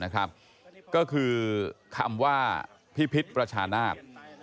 ก็คือคำว่าพิพิษประชานาศ